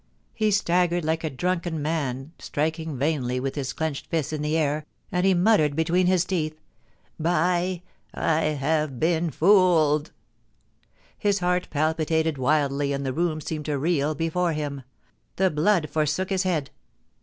He staggered like a drunken man, striking vainly with his clenched fist in the air, as he muttered between his teeth :' By , I have been fooled !' His heart palpitated wildly, and the room seemed to reel before him. The blood forsook his head.